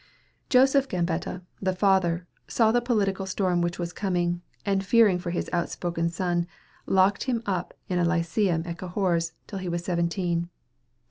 Joseph Gambetta, the father, saw the political storm which was coming, and fearing for his outspoken son, locked him up in a lyceum at Cahors, till he was seventeen.